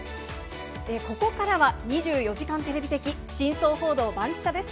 ここからは２４時間テレビ的真相報道バンキシャ！です。